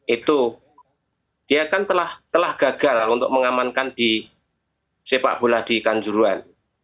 itu dia kan telah gagal untuk mengamankan di sepak bola di kanjuruan